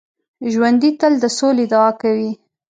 ژوندي تل د سولې دعا کوي